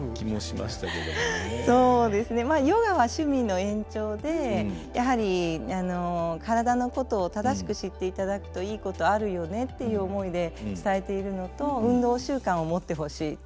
まあヨガは趣味の延長でやはり体のことを正しく知っていただくといいことあるよねっていう思いで伝えているのと運動習慣を持ってほしい。